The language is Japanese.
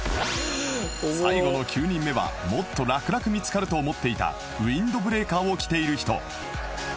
最後の９人目はもっと楽々見つかると思っていたウインドブレーカーを着ている人